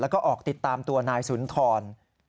แล้วก็ออกติดตามตัวนายสุนทร